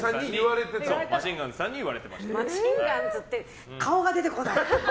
マシンガンズって顔が出てこない。